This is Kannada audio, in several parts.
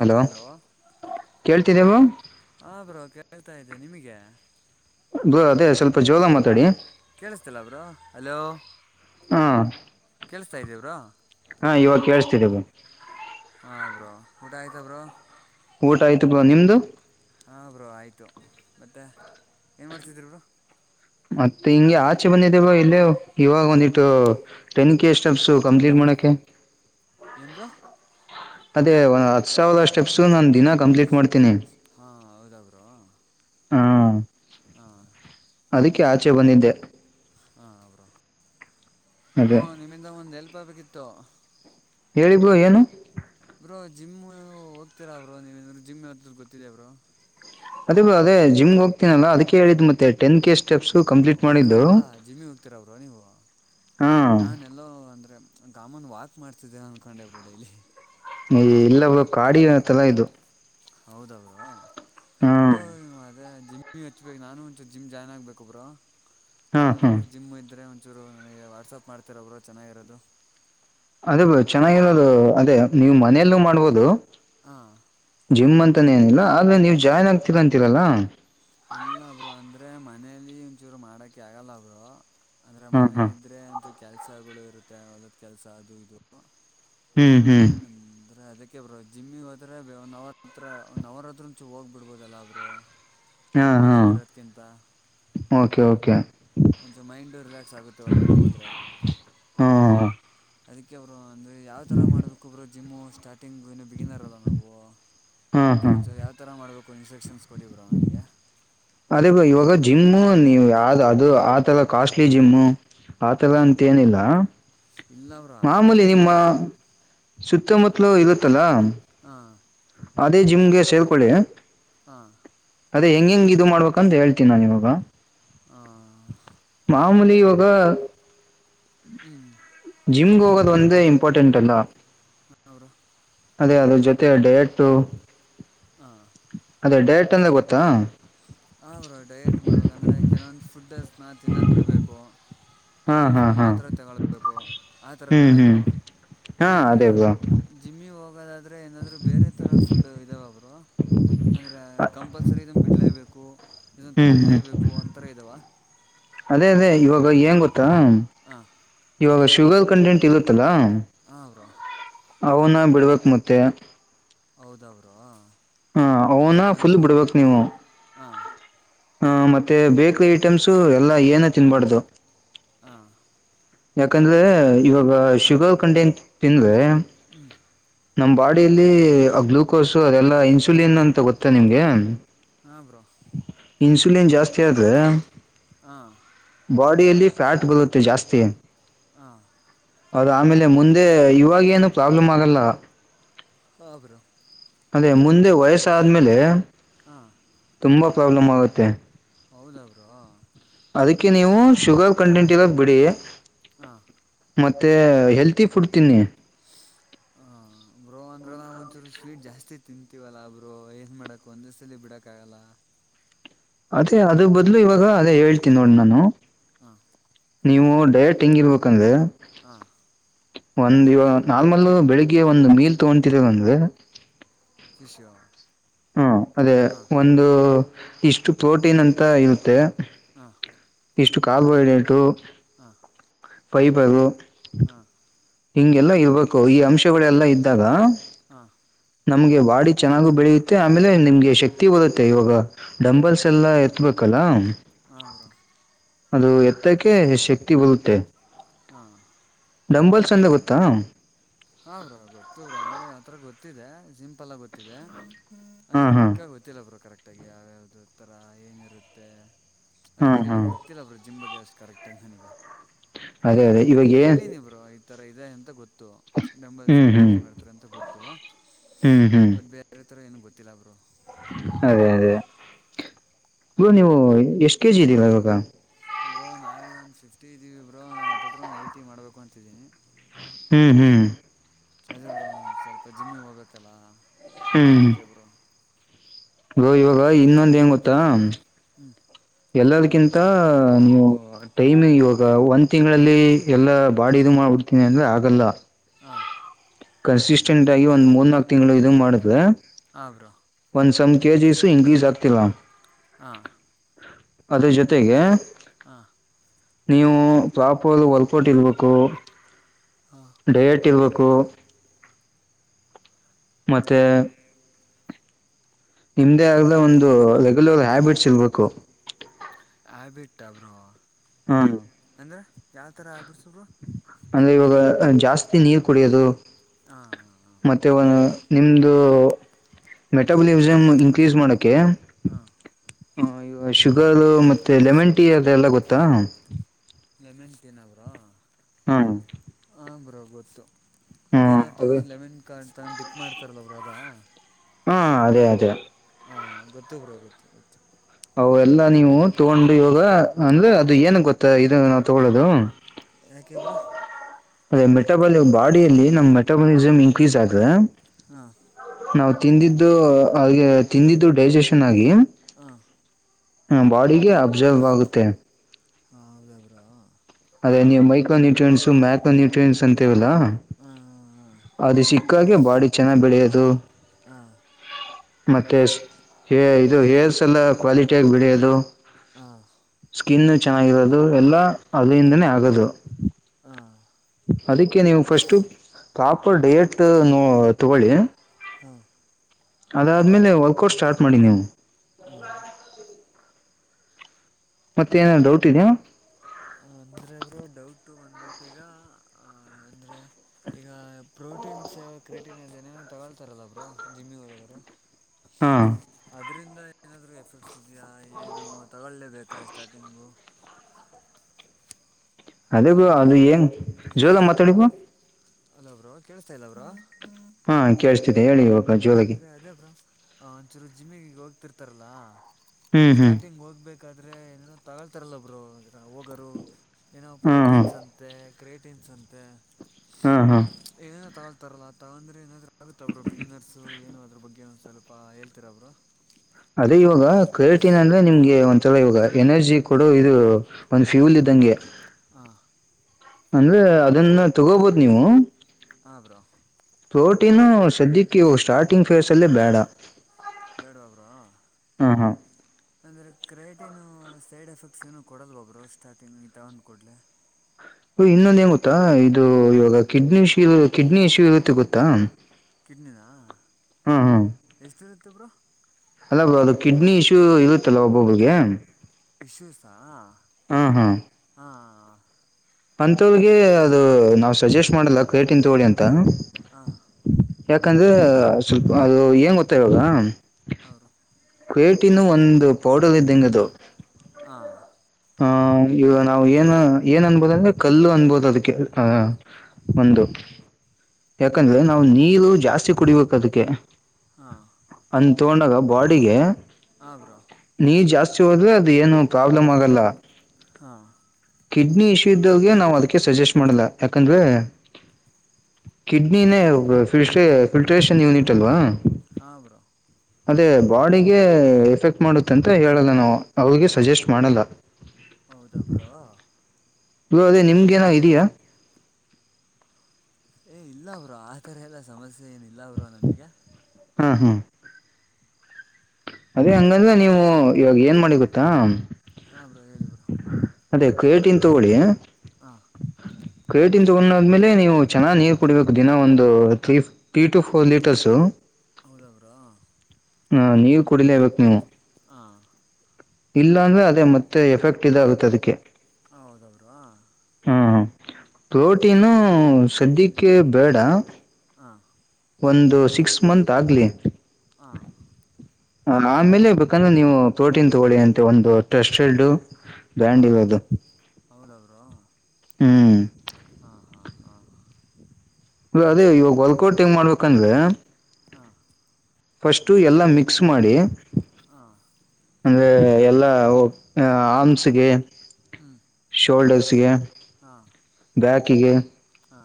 ಹಲೋ ಕೇಳ್ತಿದ್ದೆವು ಆತ ಇದೆ ನಿಮಗೆ ಅದೇ ಬ್ರೋ ಸ್ವಲ್ಪ ಜೋರಾಗ್ ಮಾತಾಡಿ ಕೇಳಿಸ್ತಿಲ್ಲ ಬ್ರೋ ಹಲೋ ಹಾ ಕೇಳಿಸ್ತಾ ಇದ್ದೀಯ ಬ್ರೋ ಹಾ ಇವಾಗ ಕೇೇಳಸ್ತಿದ್ದವು ಹ ಬ್ರೋ ಊಟ ಆಯ್ತ ಬ್ರರು ಊಟ ಆಯ್ತು ಬ್ರೋ ನಿಮ್ದು ಹಾಂ ಬರು ಆಯಿತು ಬತ್ತ ಏನು ಮಾಡ್ತಿದ್ದೀರಿ ಬರು ಮತ್ತೆ ಹಿಂಗೆ ಆಚೆ ಬಂದಿದೆೇವ ಇಲ್ಲೇ ಇವಾಗ ಒಂದಿಟ್ಟು ಟೆನ್ ಕೆ ಸ್ಟೆಪ್ಸ ಕಂಪ್ಲೀಟ್ ಮಾಡಕೆ ಹ ಏನ್ರೋ ಅದೇ ಒ ಹತ್ ಸಾವಿರ ಸ್ಟೆಪ್ಸು ನಾನು ದಿನ ಕಂಪ್ಲೀಟ್ ಮಾಡ್ತೇನಿ ಹಾ ಹೌದಬ್ರು ಹಾ ಹಾ ಅದಕ್ಕೆ ಆಚೆ ಬಂದಿದ್ದೆ ಹಾ ಅವರು ಬ್ರೋ ಅದೇ ನಿಮ್ಮಿಂದ ಒಂದ್ ಎಲ್ಪ್ ಆಗ್ಬೇಕಿತ್ತು ಹೇಳಿ ಬ್ರೋ ಏನು ಇಬ್ರು ಜಿಮ್ ಹೋಗ್ತೀರಾ ಅವರು ನೀವರು ಜಿಮ್ ಗೊತ್ತಿದೆ ಅವರು ಅದೇ ಬಾ ಅ ಜಿಮ್ ಹೋಗ್ತೀನಲ್ಲ ಅದ್ಕ್ಕೆ ಹೇಳಿದ ಮತ್ತೆ ಟನ್ ಕೆಷ್ಟ ಹೌದಾ ಜಿಮ್ಮಿ ಹೋಗ್ತೀರ ಅವರು ನೀವು ಹಾ ನಾನ ಎಲ್ಲೋ ಅಂದ್ರೆ ಗಾಮನ್ ವಾಕ್ ಮಾಡ್ತಿದ್ದೇ ಅನ್ಕೊಂಡೆವರು ಡೈಲಿ ಈ ಇಲ್ಲವ ಕಾಡಿ ಅಂತೆಲ್ಲ ಇದು ಹೌದಾ ಹಾ ಬ್ರೋ ಅ ಜಿಮ್ಮ್ ಹಚ್ಬೇಕು ನಾನು ಒಂಚ ಜಿಮ್ ಜಾಯ್ನ್ ಆಗ್ಬೇಕು ಒಬ್ರು ಹಾ ಹಾ ಯಾವ್ದದಾದ್ರು ಜಿಮ್ ಇದ್ರೆಂ ಚೂರುನಗೆ ವಾಟ್ಸಪ್ ಮಾಡ್ತಿರ ಅವಬ್ರು ಚೆನ್ನಾಗಿರೋದು ಅದೇ ಬ ಚೆನ್ನಾಗಿರೋದು ಅದೇ ನೀವು ಹಾಂ ಮನೆಯಲ್ಲೂ ಮಾಡ್ಬೋದು ಹಾಂ ಜಿಮ್ ಅಂತಾನ ಏನಿಲ್ಲ ಆದ್ರೆ ನೀವ್ ಜಾಯ್ನ್ ಆಗ್ತಿರ ಅಂತೀರಲ್ಲ ಇಲ್ಲಬ್ರು ಅಂದ್ರೆ ಮನೇಲಿ ಒಂಚೂರು ಮಾಡಕ ಆಗಲ್ಲ ಅವಬ್ರು ಅಂದ್ರೆ ಹಾ ಹಾ ಮನೇಲಿ ಇದ್ರೆ ಅಂತೂ ಕೆಲಸಗಳು ಇರುತ್ತೆ ಹೊಲದ ಕೆಲಸ ಅದು ಇದು ಹ್ಮ್ ಹ್ಮ್ ಅದಕ್ಕೆೇ ಬರು ಜಿಮ್ಮಿಗೆ ಹೋದ್ರ ನವರತ್ರ ನವರತ್ರಂಚ ಹೋಗ್ ಬಿಡ್ಬೋದಾಬ್ರು ಹಾ ಹಾ ಓಕೆ ಓಕೆ ಒಂಚ ಮೈಂಡು ರಿಲ್ಯಾಕ್ಸ್ ಆಗುತ್ತೆ ಹೊರಗಡೆ ಹೋದರೆೆ ಹಾ ಅದಕ್ಕೆ ಅವರು ಅಂದರೆ ಯಾವ ಥರ ಮಾಡ್ಬೇಕುೊಬ್ರು ಜಿಮ್ಮು ಸ್ಟಾರ್ಟಿಂಗ್ ಇನ್ನು ಬಿಗಿನಾರಲ್ಲ ನಾವು ಹಾ ಹಾ ಒಂಚ ಯಾವ ಥರ ಮಾಡಬೇಕು ಇನ್ಸ್ಟ್ರಕ್ಷನ್ಸ್ ಕೊಡಿವರಾ ಅವನಗೆ ಅದೇ ಬ ಇವಾಗ ಜಿಮ್ಮು ನೀವು ಯಾವ್ ಅದು ಆತರ ಕಾಸ್ಟ್ಲಿ ಜಿಮ್ಮು ಆತಲ್ಲ ಅಂತೇಏನಿಲ್ಲ ಇಲ್ಲ ಬ್ರೋ ಆ ಥರ ಮಾಮೂಲಿ ನಿಮ್ಮ ಏನಿಲ್ಲ ಹಾಂ ಸುತ್ತಮುತ್ತಲೂ ಇರುತ್ತಲ್ಲಾ ಹಾಂ ಅದೇ ಜಿಮ್ಗೆ ಸೇಲ್ಕೊಳ್ಳಿ ಹಾ ಅದ ಹೆಂ ಹೆಂಗ ಇದು ಮಾಡ್ಬೇಕುಂತ ಹೇಳ್ೀನಿ ನಾನು ಇವಾಗ ಹಾಂ ಮಾಮೂಲಿ ಒೋಗ ಹ್ಮ್ ಜಿಮ್ಗೆ ಹೋಗೋದು ಒಂದೇ ಇಂಪಾರ್ಟೆಂಟ್ ಅಲ್ಲ ಹ ಅವೌರು ಅದೇ ಅದ ಜೊತೆ ಡೇಟು ಹಾಂ ಅದೇ ಡೈಟ್ ಅಂದ ಗೊತ್ತಾ ಹ್ರ ಡಯೇಟ್ ಮಾಡ್ಬೇಕಂದ್ರೆ ಕೆಲವೊಂದು ಫುಡ್ಡ ನಾ ತಿನ್ನೋದು್ ಬಿಡ್ಬೇಕು ಹಾ ಕೆಲವಂದು ಹಾ ಫುಡ್ ಹಾ ಮಾತ್ರ ತಗೊಳ್ಬೇಕು ಆತರ ಹ್ಮ್ ತಾನೇ ಹ್ಮ್ ಬ್ರೋ ಹಾ ಇಲ್ಲಾಂದ್ರೆ ಅದೇ ಬ್ರೋ ಜಿಮ್ಮಿ ಹೋಗ ಇದಾದ್ರರೆ ಏನಾದರೂ ಬೇರೆ ಥರ ಫುಡ್ ಇದಾವಬ್ರು ಅಂದರೆ ಕಂಪಲ್ಸರಿ ಇದನ್ನು ಬಿಡಲೇಬೇಕು ಇದನ್ ಹ್ಮ್ ಹ್ಮ್ ತಗಲೇಬೇಕು ಅಂತರ ಇದಾವ ಅದೇ ಅದೇ ಇವಾಗ ಏಂಗ ಗೊತ್ತಾ ಹಾಂ ಇವಾಗ ಶುಗರ್ ಕಂಟೆಂಟ್ ಇರುತ್ತಲ್ಲಾ ಹ ಅವರು ಅವನ್ನ ಬಿಡ್ಬೇಕಕ್ ಮತ್ತೆ ಹೌದ ಅವರು ಹಾ ಅವನ ಫುಲ್ ಬಿಡ್ಬೇಕು ನೀವು ಹಾಂ ಹ ಮತ್ತೆ ಬೇಕ್ರಿ ಐಟಮ್ಸು ಎಲ್ಲಾ ಏನ ತಿನ್ಬಾರ್ದು ಹ ಯಾಕಂದ್ರೆ ಇವಾಗ ಶುಗರ್ ಕಂಟೆಂಟ್ ತಿಂದ್ರೆ ಹ್ಮ್ ನಮ್ ಬಾಡಿಯಲ್ಲಿ ಗ್ಲೂಕೋಸ್ ಅದೆಲ್ಲಾ ಇನ್ಸುಲಿನ್ ಅಂತ ಗೊತ್ತಾ ನಿಮ್ಗೆ ಹಾ ಬ್ರೋ ಇನ್ಸುಲಿನ್ ಜಾಸ್ತಿ ಆದ ಹಾ ಬಾಡಿಯಲ್ಲಿ ಫ್ಯಾಟ್ ಬರುತ್ತೆ ಜಾಸ್ತಿ ಹ ಅದ ಆಮೇಲೆ ಮುಂದೆ ಇವಾಗ ಏನು ಪ್ರಾಬ್ಲಮ್ ಆಗಲ್ಲ ಹ ಬ್ರೋ ಅದೇ ಮುಂದೆ ವಯಸ್ಸಾದ್ಮೇಲೆ ಹಾ ತುಂಬಾ ಪ್ರಾಬ್ಲಮ್ ಆಗುತ್ತೆ ಹೌದ ಅವರು ಅದಕ್ಕೆ ನೀವು ಶುಗರ್ ಕಂಟೆಂಟ್ ಇರೋ ಬಿಡಿ ಹ ಮತ್ತೆ ಹೆಲ್ತಿ ಫುಡ್ ತಿನ್ನಿ ಹಾಂ ಬ್ರೋ ಅಂದ್ರ ನಾ ಒಂಚೂರು ಸ್ವೀಟ್ ಜಾಸ್ತಿ ತಿಂತೀವಲ್ಲಾ ಬ್ರೋ ಏನ್ ಮಾಡಾಕಕ್ ಒಂದ್ ಸಲಿ ಬಿಡಕಾಗಲ್ಲ ಅದೇ ಅದ ಬದಲು ಇವಾಗ ಅದೇ ಹೇಳ್ತೀನಿ ನೋಡ್ ನಾನು ಹಾ ನೀವು ಡೈಟ್ ಟ್ ಹೆಂಗಿರ್ಬೇಕಂದ್ರೆ ಹ ಒಂದ ಇವಾಗ ನಾರ್ಮಲ್ಲ ಬೆಳಿಗ್ಗೆ ಒಂದು ಮೀಲ್ ತಗೊಂತರದಂದ್ರೆ ವಿಷೋ ಹಾ ಅದೇ ಒಂದು ಇಷ್ಟು ಪ್ರೋಟೀನ್ ಅಂತ ಇರುತ್ತೆ ಹಾ ಇಷ್ಟು ಕಾಲು ಎಡೇಟು ಹಾ ಪೈ ಬಗು ಹಾ ಹಿಂಗೆಲ್ಲಾ ಇರ್ಬೇಕು ಈ ಅಂಶಗಳೆಲ್ಲಾ ಇದ್ದಾಗ ಹಾ ನಮಗೆ ಬಾಡಿ ಚೆನ್ನಾಗಿ ಬೆಳೆಯುತ್ತೆ ಆಮೇಲೆ ನಮಗೆ ಶಕ್ತಿ ಬರುತ್ತೆ ಡಂಬಲ್ಸ್ ಎಲ್ಲ ಎತ್ತಬೇಕು ಪಲಂಗ್ ಹ ಬ್ರೋ ಅದು ಎತ್ತಕ್ಕೆ ಶಕ್ತಿ ಬರುತ್ತೆ ಹಾ ಡಂಬಲ್ಸ್ ಅಂದ ಗೊತ್ತಾ ಹ್ರ ಗೊತ್ತ್ರ ಅಂದ್ರೆ ಆತ್ರರ ಗೊತ್ತಿದೆ ಸಿಂಪಲ್ ಆಗ ಗೊತ್ತಿದೆ ಹಾ ಅಂದ್ರೆ ಹಾ ಪಕ್ಕ ಗೊತ್ತಿಲ್ಲ ಬ್ರೋ ಕರೆಕ್ಟಾಗಿ ಯಾವತರ ಹೇಗೆ ಇರುತ್ತೆ ಹಾ ಅದ್ರ ಬಗ್ಗೆ ಹಾ ಎಲ್ಲ ಗೊತ್ತಿಲ್ಲ ಬರು ಜಿಮ್ ಬಗ್ಗೆ ಅಷ್ಟು ಕರೆಕ್ಟ್ಟಂಗ ನನಗೆ ಅದೇ ಅದೇ ಇವಾಗ ಗೆನ್ ತರ ಇದೆ ಅಂತ ಗೊತ್ತು ಡಂಬಲ್ಸ್ ಎಲ್ಲ ಹ್ಮ್ ಯೂಸ್ ಮಾಡ್ತಾರೆ ಅಂತ ಗೊತ್ತು ಹ್ಮ್ ಹ್ಮ್ ಬಟ್ ಬೇರೆ ಹತ್ತರ ಏನ ಗೊತ್ತಿಲ್ಲ ಬರು ಅದೇ ಅದೇ ಬ್ರೋ ನೀವು ಎಷ್ಟ ಕೆಜಿ ಇದಿರಾ ಇವಾಗ ಬ್ರೋ ನಾವೀಗ ಒಂದು ಫಿಫ್ಟಿ ಇದ್ದೀವಿ ಬ್ರೋ ನಾನು ಹತ್ತತ್ರ ಒಂದು ಏಯ್ಟಿ ಮಾಡ್ಬೇಕು ಅಂತಿದ್ದೀನಿ ಹ್ಮ್ ಹ್ಮ್ ಅದೇಬ್ರು ಒ ಸ್ವಲ್ಪ ಜಿಮ್ಮಿಗೆ ಹೋಗತ್ತಲ್ಲ ಹ್ಮ್ ಅದಕ್ಕೆಬ್ರು ಬ್ರೋ ಇವಾಗ ಇನ್ನೊಂದ್ ಏನುಗೊತ್ತಾ ಹ್ಞೂ ಎಲ್ಲದಕಿಂತ ನೀವು ಟೈಮ್ ಇವಾಗ ಒಂದ್ ತಿಂಗಳಲ್ಲಿ ಎಲ್ಲಾ ಬಾಡ ಇದು ಮಾಡ ನಡ್ತೀಿ ಅಂದ್ರೆ ಆಗಲ್ಲ ಹ ಕನ್ಸಿಸ್ಟೆಂಟ್ ಆಗಿ ಒಂದ್ ಮೂರ್ ನಾಲ್ಕು ತಿಂಗಳು ಇದು ಮಾಡಿದ್ವೆ ಹ ಬ್ರೋ ಸಮ್ ಕೆಜಿ ಸು ಇನ್ಕ್ರೀಸ್ ಆಗ್ತೀರಾ ಹಾ ಅದ್ರ ಜೊತೆಗೆ ಹಾ ನೀವು ಪ್ರಾಪರ್ ವರ್ಕೌಟ್ ಇರ್ಬೇಕು ಹಾಂ ಡಯಟ್ ಇರ್ಬೇಕು ಕೂ ಮತ್ತ ನಿಮ್ದೇ ಆದ ಒಂದು ರೆಗ್ಯುಲರ್ ಹ್ಯಾಬಿಟ್ಸ್ ಇರ್ಬೇಕು ಆಬಿಟ್ಟ ಬ್ರೋ ಹಾ ಅಂದ್ರರೆ ಯಾವ ಥರ ಆಬಿಡ್ಸರು ಅಂದ್ರೆ ಇವಾಗ ಜಾಸ್ತಿ ನೀರ್ ಕುಡಿಯೋದು ಹಾಂ ಹಾಂ ಮತ್ತೆ ಒ ನಿಮದು ಮೆಟಬಲಿಸಮ್ ಇನ್ಕ್ರೀಸ್ ಮಾಡೋಕ್ಕೆ ಹ ಹ ಈ ಶುಗರ್ ಮತ್ತೆ ಲೆಮನ್ ಟೀ ಅದೆಲ್ಲ ಗೊತ್ತಾ ಎಮೆಂಟನ ಬ್ರೋ ಹ್ಮ ಹಾಂ ಬ್ರೋ ಗೊತ್ತು ಅದೇನೋ ಅದೇ ತಗೊಂಡು ಲೆಮನ್ ಕಾರ್ಡ್ ತಗೊಂಡು ಡಿಪ್ ಮಾಡ್ತಾರಲ್ಲ ಬ್ರೋ ಅದಾ ಹ್ಮ್ ಅದೇ ಅದೇ ಹಾಂ ಗೊತ್ತು ಬರ ಗೊತ್ತು ಗೊತ್ತು ಅವ ಎಲ್ಲಾ ನೀವು ತಗೊಂಡು ಇವಾಗ ಅಂದ್ರೆ ಅದು ಏನ ಗೊತ್ತಾ ಇದು ನಾವ್ ತಗೊಳ್ಳೋದು ಯಾಕೆ ಬ್ರೋ ಅದೇ ಮೆಟಬಾಲ್ ಬಾಡಿಯಲ್ಲಿ ನಮ ಮೆಟಬಾಲಿಸಮ್ ಇನ್ಕ್ರೀಸ್ ಆದ್ರೆ ಹಾ ನಾವು ತಿಂದಿದ್ದು ಹಾಗೆ ತಿಂದಿದ್ದು ಡೈಜೆಷನ್ ಆಗಿ ಹ ಹ ಬಾಡಿಗೆ ಅಬ್ಸರ್ವ ಆಗುತ್ತೆ ಹೌದ ಬ್ರೋ ಅದೇ ನೀವು ಮೈಕ್ರ ನ್ಯೂಟ್ರಿಯನ್ಸ್ ಮಕೋ ನ್ಯಟ್ರಿಯನ್ಸ್ ಅಂತೀವಲ್ಲ ಹಾಂ ಅದು ಸಿಕ್ಕಾಗೆ ಬಾಡಿ ಚೆನ್ನಾಗಿ್ ಬೆಳೆಯೋದು ಹಾಂ ಮತ್ತೆ ಹೇ ಇದು ಹೇರ್ಸ್ ಎಲ್ಲ ಕ್ವಾಲಿಟಿಿಯಾಗಿ ಬಿಳಿಯೋದು ಹ ಸ್ಕಿನ್ನು ಚೆನ್ನಾಗಿರೋದು ಎಲ್ಲ ಹಾಂ ಅಲ್ಲಿಿಂದನೇ ಆಗೋದು ಹಾಂ ಅದಕ್ಕೆ ನೀವು ಫಸ್ಟು ಪ್ರಾಪರ್ ಡಯಟ್ ತಗೊಳ್ಳಿ ಹಾ ಅದಾದ್ಮೇಲೆ ವರ್ಕೌಟ್ ಸ್ಟಾರ್ಟ್ ಮಾಡಿ ನೀವು ಹಾಂ ಮತ್ತೆ ಏನೇ ಡೌಟ್ ಇದಯಾ ಅಂದ್ರೆ ಅವರು ಡೌಟ್ ಬಂದ್ಬಿಟ್ಟ ಈಗ ಆ ಅಂದ್ರೆ ಈಗ ಪ್ರೋಟೀನ್ ಸೇವಾ ಕ್ರೇಟೀನ್ ನೇನೋ ತಗೊಳ್ತಾರಲ್ಲ ಬ್ರರು ಜಿಮ್ಮಿಗೆ ಹೋದರು ಹಾಂ ಇದರಿಂದ ಏನಾದರೂ ಎಫೆಕ್ಟ್ಸ್ ಇದೆಯಾ ಏನು ತಗೊೊಳ್ಳಲೇಬೇಕಾ ಸ್ಟಾರ್ಟಿಂಗು ಅದೇ ಬ್ರೋ ಅದು ಏಂಗ್ ಜೋರಾಗಿ ಮಾತಾಡಿ ಬ್ರೋ ಹಲೋ ಕೇಳ್ಸ್ತಾಇದ್ಯ ಕೇಳಸ್ತಾ ಇಲ್ಲ ಅವ್ರ ಹಾ ಕೇೇಳಸ್ತಿದೆೆ ಹೇಳಿ ಇಾಗ ಜೋಲಗೆ ಅಂದರೆ ಅದೇ ಬ್ರೋ ಒಂಚೂರು ಜಿಮ್ಮಿಗೆ ಹೋಗ್ತಿರ್ತಾರಲ್ಲ ಹ್ಞೂ ಸ್ಟಾರ್ಟಿಂಗ್ ಹೋಗ್ಬೇಕಾದ್ರೆ ತಗೊಳ್ತಾರಲ್ಲಬ್ರು ಹೋಗೋರು ಏನೋ ಹಾಂ ಹಾಂ ಪ್ರೋಟೀನ್ಸ್ ಅಂತೆ ಕ್ರೇಟಿನ್ಸ್ಂತೆ ಹಾಂ ಹಾಂ ಏನೇ ತಗಳ್ತಾರಲ್ಲ ತಗೊಂಡ್ರೆ ಏನಾದ್ರರು ಆಗುತ್ತ ಅವರು ಬಿಗಿನರ್ಸ ಏನು ಅದ್ರ ಬಗ್ಗೆ ಒ ಸ್ವಲ್ಪ ಹೇಳ್ತೀರ ಬ್ರೋ ಅದೇ ಇವಾಗ ಕಟೀನ್ ಅಂದ್ರೆ ನಿಮ್ಗೆ ಒಂದ್ಸಲ ಇವಾಗ ಎನರ್ಜಿ ಕೊಡ ಇದು ಒಂದ್ ಫ್ಯೂಲ್ ಇದ ತಗೆ ಹ ಅಂದ್ರೆ ಅದನ್ನ ತಗೋಬೋದು ನೀವು ಹ ಬರೋ ರೋಟೀಿನ ಸದ್ಯಕ್ಕೆ ಸ್ಟಾರ್ಟಿಂಗ್ ಫೇಸ್ ಅಲ್ಲೇ ಬೇಡ ಬೇಡ್ವಾ ಬ್ರೋ ಹಾಂ ಹಾಂ ಅಂದ್ರೆ ಕ್ರೇಟ್ ಏನೋ ಸೈಡ್ ಎಫೆಕ್ಟ್ಸ್ ಏನುೋ ಕೊಡಲ್ ಬೊಬ್ರು ಸ್ಟಾರ್ಟಿಂಗ್ ತಗೊಂಡ್ ಕೊಡ್ಲೆ ಇನ್ನೊಂದ ್ ಗೊತ್ತಾ ಇದು ಇವಾಗ ಕಿಡ್ನಿ ಇಶ್ಯೂ ಕಿಡ್ನಿ ಇಶ್ಯೂ ಇರುತ್ತೆ ಗೊತ್ತಾ ಕಿಡ್ನಿದ ಹ್ಮ್ ಎಷ್ಟು ಇರುತ್ತೆ ಬರು ಅಲ್ಲ ಅದು ಕಿಡ್ನಿ ಇಶ್ಯೂ ಇರುತ್ತಲ್ಲ ಒಬ್ಬೊಬ್ಬಿಗೆ ವಿಶ್ವೇಷಾ ಹ್ಮ ಹ್ಮ್ ಹಾ ಅಂತಳ್ಗೆ ಅದು ನಾವ್ ಸಜೆಸ್ಟ್ ಮಾಡಲ್ಲ ಕೈಟನ್ ತಗಳಿ ಅಂತ ಹ ಯಾಕಂದ್ರೆ ಸ್ವಲ್ಪ ಅದು ಏನ್ ಗೊತ್ತಾ ಇವಾಗ ಹೌರು ಕ್ೇಟಿನ ಒಂದು ಪೌಡರ್ ಇದ್ದಂಗದು ಹ ಆ ಈಗ ನಾವು ಏನ್ ಏನ್ ಅನ್ಬೋದ ಅಂದ್ರೆ ಕಲ್ಲು ಅನ್ಬೋದು ಅದಕ್ಕೆ ಆಹ ಒಂದು ಯಾಕಂದ್ರೆ ನಾವು ನೀರು ಜಾಸ್ತಿ ಕುಡಿಬೇಕ ಅದಕ್ಕೆ ಹಾ ಅ ತೊಗೊಂಡಾಗ ಬಾಡಿಗೆ ಆಬ್ರೋ ್ರ ಅದು ಏನು ಪ್ರಾಬ್ಲಮ್ ಆಗಲ್ಲ ಹಾ ಕಿಡ್ನಿ ಇಶ್ಯೂ ಇದ್ದವಗೆ ನಾವು ಅದಕ್ಕೆ ಸಜೆಸ್ಟ್ ಮಾಡಲ್ಲ ಯಾಕಂದ್ರೆ ಕಿಡ್ನಿನೇ ಫಿಲ್ಟ ಫಿಲ್ಟ್ರೇಷನ್ ಯೂನಿಟ್ ಅಲ್ವಾ ಹಾ ಬ್ರೋ ಅದೇ ಬಾಡಿಗೆ ಎಫೆಕ್ಟ್ ಮಾಡುತ್ತ ಅಂತ ಹೇಳಲ್ಲ ನಾವು ಅವ್ರಿಗೆ ಸಜೆಸ್ಟ್ ಮಾಡಲ್ಲ ಹೌದ ಬ್ರ ನೀ ಅದೇ ನಿಮ್ಗೆೇನ ಇದಯಾ ಏ ಇಲ್ಲ ಅವರು ಆಥರ ಎಲ್ಲ ಸಮಸ್ಯೆ ಏನಿಲ್ಲ ಅವರು ನಮಗೆ ಹಾ ಹಾ ಅದೇ ಹಂಗಂದ್ರ ನೀವು ಇವಾಗ ಏನ್ ಮಾಡಿ ಗೊತ್ತಾ ಹಾ ಬ್ರೋ ಹೇಳಿ ಬ್ರೋ ಅದೇ ಕೇಟಿನ್ ತಗೋಳಿ ಹಾ ಕ್ರೇಟನ್ ತಗೊಂಡದ್ಮೇಲೆ ನೀವು ಚೆನ್ನ್ ನೀರ್ ಕುಡ್ಬೇಕು ದಿನ ಒಂದು three three two four litres ಹೌದ ಅವ್ರಾ ಹಾ ನೀರ್ ಕುಡಿಲೇಬೇಕು ನೀವು ಹಾಂ ಇಲ್ಲ ಅಂದ್ರೆ ಅದೇ ಮತ್ತೆ ಎಫೆಕ್ಟ್ ಇದಾಗುತ್ತೆ ಅದಕ್ಕೆ ಹೌದಾ ಬ್ರೋ ಹ್ಮ ಹಾಂ ಪ್ರೋಟೀನು ಹಾಂ ಸದ್ಯಕ್ಕೆ ಬೇಡ ಹಾಂ ಒಂದು ಸಿಕ್ಸ್ ಮಂತ್ ಆಗಲಿ ಹಾಂ ಹ ಆಮೇಲೆ ಬೇಕಂದ್ರೆ ನೀವು ಪ್ರೋಟೀನ್ ತಗೊಳ್ಳಿ ಅಂತೆ ಒಂದು ಟೆಸ್ಟ್ ಬ್ಯಾಂಡ ಹಾಂ ಇರದು ಹೌದಾ ಬ್ರೋ ಹ್ಮ್ ಹಾಂ ಹಾಂ ಹಾಂ ಇ ಅದೇ ಇವಾಗ ವಲ್ಕೌಟ್ ಹೆಂಗ್ ಮಾಡ್ಬೇಕಂದ್ರೆ ಹಾಂ ಫಸ್ಟು ಎಲ್ಲ ಮಿಕ್ಸ್ ಮಾಡಿ ಹಾಂ ಅಂದ್ರೆ ಎಲ್ಲಾ ಆಮ್ಸ್ಗೆ ಹ್ಮ್ ಕೋಲ್ಡರ್ಸ್ ಸಿಗೆ ಹಾ ಬ್ಯಾಕಿಗೆ ಹಾ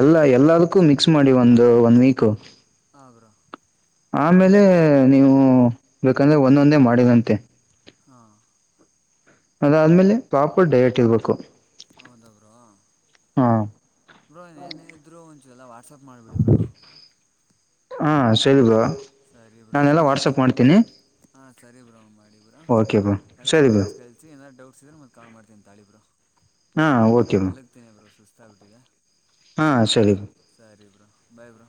ಎಲ್ಲಾ ಎಲ್ಲದಕ್ಕೂ ಮಿಕ್ಸ್ ಮಾಡಿ ಒಂದು ಒನ್ ವೀಕ್ ಆಗ್ರ ಆಮೇಲೆ ನೀವು ಬೇಕಂದ್ರೆ ಒಂದೊಂದೇ ಮಾಡರಂತೆ ಹಾ ಅದಾದ್ಮೇಲೆ ಪಾಪಡ್ ಡೈಟ್ ಇರ್ಬೇಕು ಹೌದಾವ್ರ ಹಾಂ ಬ್ರೋ ನೇನೇ ಇದರೂ ಒಂಚೂ ಎಲ್ಲ ವಾಟ್ಸಪ್ ಮಾಡಿಬಿಡಿ ಬ್ರೋ ಹಾ ಸರಿ ಬ್ರೋ ಸರಿ ಬ್ರೋ ಈ ನಾನೆಲ್ಲ ವಾಟ್ಸಪ್ ಮಲಗ್ತೇನಿ ಇ ಬ್ರ ಮಾಡ್ತೀನಿ ಹಾ ಸರಿ ಬ್ರೋ ಮಾಡಿ ಇಬ್ರಾ ಓಕೆ ಬ್ರೋ ಎಲ್ಲಾನು ಸರಿ ಬ್ರೋ ಡೀಟೇಲ್ಸ್ ಕೇಳಸಿ ಯೇನಾದ್ರೂ ದೌಟ್ಸ್ ಇದ್ರೆ ಮತ್ತ್ ಕಾಲ್ ಮಾಡ್ತೀನಿ ತಾಳಿ ಬ್ರೋ ಹಾ ಓಕೆ ಮ ಹೆಚ್ಚಾಗಿ ಬಿಟ್ಟಿದೆ ಹಾ ಸರಿ ಬ್ರೋ ಬಾಯ ಬ್ರೋ